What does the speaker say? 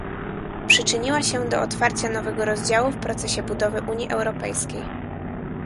Przyczyniła się do otwarcia nowego rozdziału w procesie budowy Unii Europejskiej